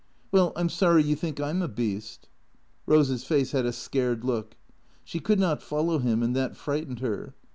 " Well, I 'm sorry you think I 'm a beast." Rose's face had a scared look. She could not follow him, and that frightened her.